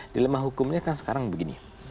dilemah hukumnya kan sekarang begini